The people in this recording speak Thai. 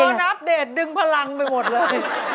พออัปเดตดึงพลังไปหมดเลย